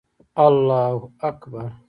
الله اکبر